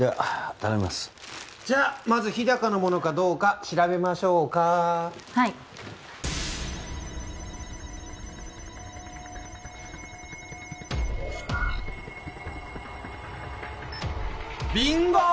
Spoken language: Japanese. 頼みますじゃまず日高のものかどうか調べましょうかはいビンゴー！